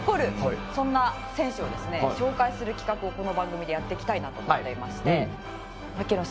そんな選手をですね紹介する企画をこの番組でやっていきたいなと思っていまして。